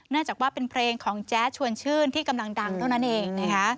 น่าจะว่าเป็นเพลงของแจ็ดชวนชื่นที่กำลังดังตรงนั้นเอง